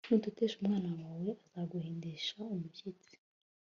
nutetesha umwana wawe, azaguhindisha umushyitsi